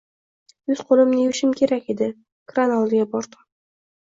Yuz-qoʻlimni yuvishim kerak edi. Kran oldiga bordim.